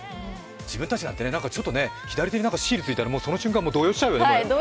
自分たちなんて、左手にシールがついたらもうその瞬間、動揺しちゃうよね。